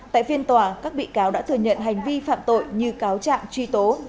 tại phiên tòa các bị cáo đã thừa nhận hành vi phạm tội như cáo trạng truy tố